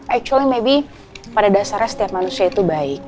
actually maby pada dasarnya setiap manusia itu baik